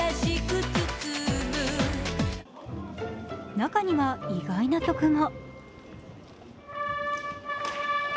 中には意外な曲も。